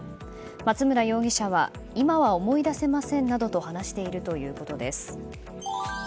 松村容疑者は今は思い出せませんなどと話しているということです。